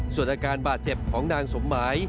ส่วนอาการบาดเจ็บของนางสมหมาย